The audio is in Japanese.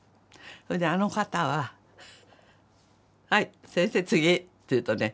それであの方は「はい先生次」って言うとね